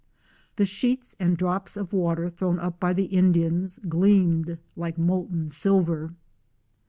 The sheets and drops of water thrown up by the Indians gleamed like molten silver.